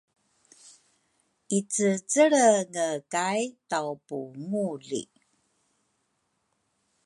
Icecelrenge kay tawpungu li